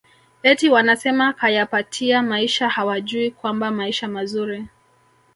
eti wanasema kayapatia maisha hawajui kwamba maisha mazuri